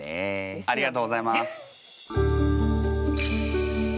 ありがとうございます。